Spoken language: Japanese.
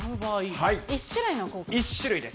１種類です。